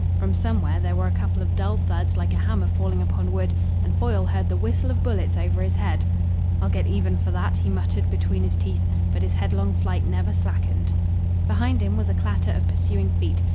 From somewhere there were a couple of dull thuds like a hammer falling upon wood, and Foyle heard the whistle of bullets over his head. "I'll get even for that," he muttered between his teeth, but his headlong flight never slackened. Behind him was a clatter of pursuing feet.